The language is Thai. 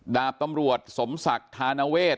ดาบตำรวจสมศักดิ์ธานเวศ